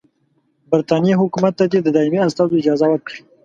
برټانیې حکومت ته دي د دایمي استازو اجازه ورکړي.